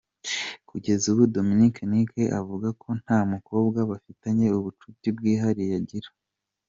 Kugeza ubu Dominic Nic avuga ko nta mukobwa bafitanye ubucuti bwihariye agira.